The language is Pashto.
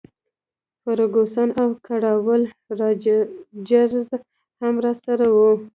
فرګوسن او کراول راجرز هم راسره وو.